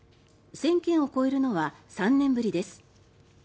１０００件を超えるのは３年ぶりです。